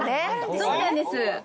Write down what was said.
そうなんです。